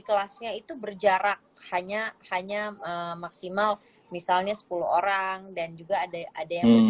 kelasnya itu berjarak hanya hanya maksimal misalnya sepuluh orang dan juga ada ada yang